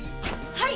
はい！